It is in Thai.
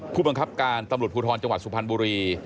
ผู้บังคับการตำรวจภูทรจังหวัดสุพรรณบุรี